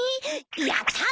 やったー！